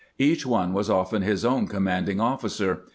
Each one was often his own commanding officer.